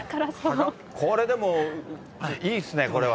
これでも、いいですね、これは。